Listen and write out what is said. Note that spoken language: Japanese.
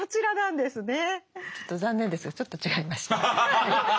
ちょっと残念ですがちょっと違いまして。